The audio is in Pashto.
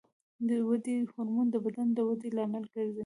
د ودې هورمون د بدن د ودې لامل ګرځي.